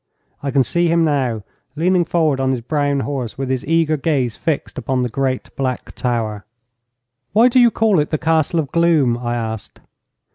I can see him now, leaning forward on his brown horse, with his eager gaze fixed upon the great black tower. 'Why do you call it the Castle of Gloom?' I asked.